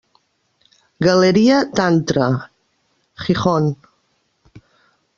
Galeria Tantra, Gijón.